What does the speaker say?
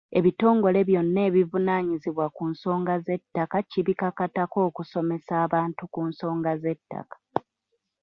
Ebitongole byonna ebivunaanyizibwa ku nsonga z'ettaka kibikakatako okusomesa abantu ku nsonga z’ettaka.